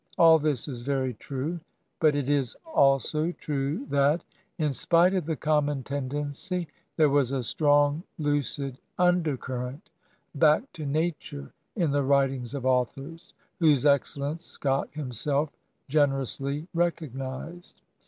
All this is very true, but it is also true that, in spite of the common tendency, there was a strong, lucid undercurrent back to natiu e in the writings of authors whose excellence Scott himself generously rec ognized.